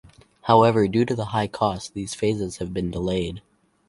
However, due to the high cost, these phases have been delayed.